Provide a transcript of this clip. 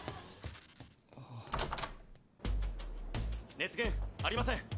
熱源ありません。